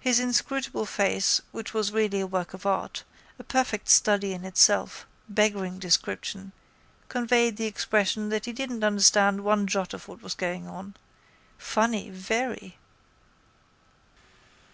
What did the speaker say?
His inscrutable face which was really a work of art, a perfect study in itself, beggaring description, conveyed the impression that he didn't understand one jot of what was going on. Funny, very!